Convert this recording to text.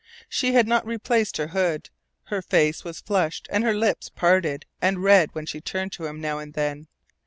She had not replaced her hood. Her face was flushed and her lips parted and red when she turned to him now and then.